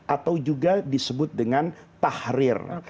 atau juga disebut dengan tahrir